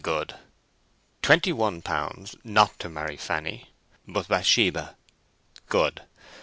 Good. Twenty one pounds not to marry Fanny, but Bathsheba. Good.